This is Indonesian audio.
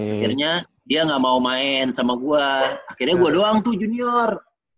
akhirnya dia gak mau main sama gue akhirnya gue doang tuh junior